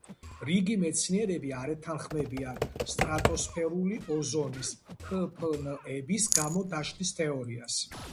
რიგი მეცნიერები არ ეთანხმებიან სტრატოსფერული ოზონის ქფნ–ების გამო დაშლის თეორიას.